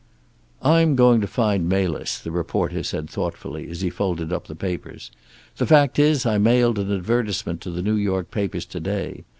"I'm going to find Melis," the reporter said thoughtfully, as he folded up the papers. "The fact is, I mailed an advertisement to the New York papers to day.